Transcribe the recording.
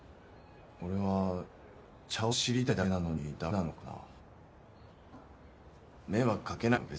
俺は茶を知りたいだけなのにだめなのかなぁ？